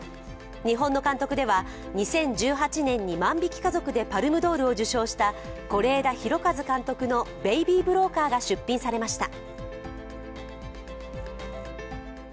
日本の監督では２０１８年に「万引き家族」でパルムドールを受賞した是枝裕和監督の「ベイビー・ブローカー」が出品されました。